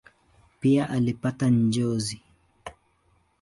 Pia alipata njozi.